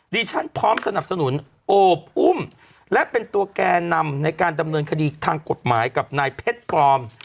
ดิฉันพร้อมสนับสนุนโอบอุ้มและเป็นตัวแก่นำในการดำเนินคดีทางกฎหมายกับนายเพชรปลอม